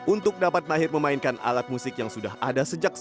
untuk dapat mahir memainkan alat musik yang sudah ada sejak tahun